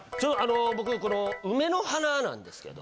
僕この梅の花なんですけど。